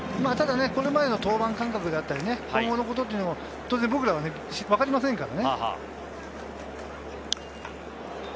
これまでの登板間隔だったり、今後のことというのは、当然僕らはわかりませんから。